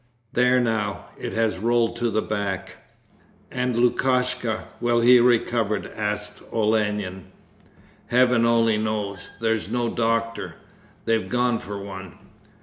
'There now, it has rolled to the back.' 'And Lukashka, will he recover?' asked Olenin. 'Heaven only knows! There's no doctor. They've gone for one.'